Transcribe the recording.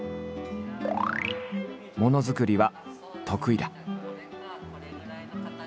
ものづくりは得意だ。